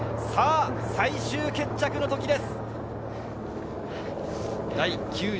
最終決着の時です。